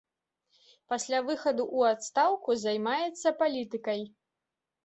Пасля выхаду ў адстаўку займаецца палітыкай.